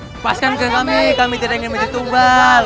lepaskan kami kami tidak ingin bertumbal